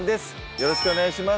よろしくお願いします